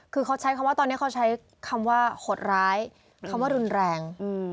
คือตอนนี้เขาใช้คำว่าหดร้ายคำว่ารุนแรง